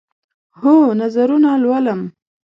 هو، نظرونه لولم